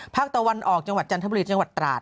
ภาคตะวันออกจังหวัดจันทบุรีจังหวัดตราด